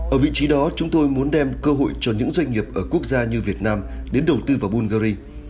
ở vị trí đó chúng tôi muốn đem cơ hội cho những doanh nghiệp ở quốc gia như việt nam đến đầu tư vào bungary